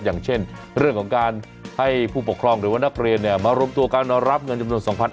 อย่างเช่นเรื่องของการให้ผู้ปกครองหรือว่านักเรียนมารวมตัวการรับเงินจำนวน๒๕๐๐